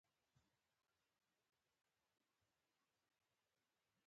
ایا زه باید ضمانت وکړم؟